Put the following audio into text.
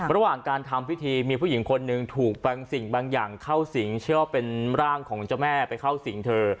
ระหว่างการทำพิธีมีผู้หญิงคนหนึ่งถูกบางสิ่งบางอย่างเข้าสิงเชื่อว่าเป็นร่างของเจ้าแม่ไปเข้าสิงเธอ